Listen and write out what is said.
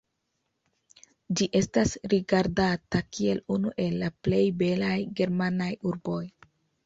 Ĝi estas rigardata kiel unu el la plej belaj germanaj urboj.